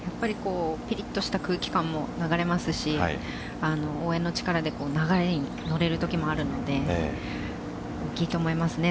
ぴりっとした空気感も流れますし応援の力で流れにのれるときもあるので大きいと思いますね